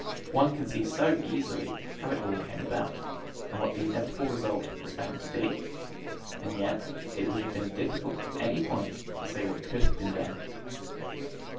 One can see so easily how it all came about, and what the inevitable result was bound to be, and yet it would have been difficult at any point to say what could have been done.